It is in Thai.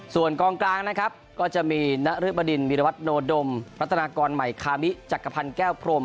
ส่วนกองกลางนะครับก็จะมีนรึบดินวิรวัตโนดมรัฐนากรใหม่คามิจักรพันธ์แก้วพรม